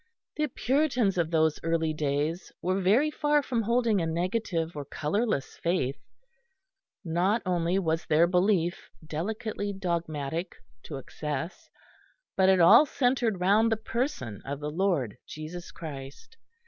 The Puritans of those early days were very far from holding a negative or colourless faith. Not only was their belief delicately dogmatic to excess; but it all centred round the Person of the Lord Jesus Christ.